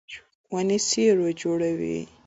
ونې سیوری جوړوي